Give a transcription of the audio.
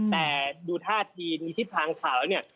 แต่ดูท่าทีที่พาข่าวแล้ว